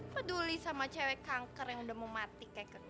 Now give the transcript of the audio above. peduli sama cewek kanker yang udah mau mati kayak